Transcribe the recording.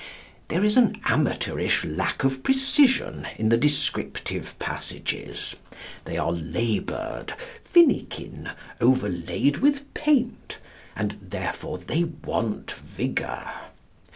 There is an amateurish lack of precision in the descriptive passages. They are laboured, finikin, overlaid with paint; and, therefore, they want vigour.